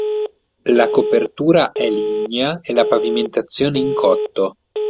La copertura è lignea e la pavimentazione in cotto.